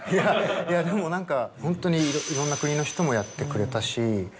いやでも何かホントにいろんな国の人もやってくれたし。